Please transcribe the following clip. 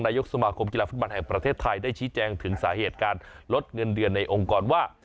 ยกสมาคมกีฬาฟุตบอลแห่งประเทศไทยได้ชี้แจงถึงสาเหตุการลดเงินเดือนในองค์กรว่า